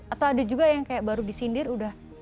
atau ada juga yang kayak baru disindir udah